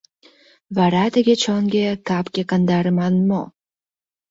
Вара тыге чонге, капге кандарыман мо?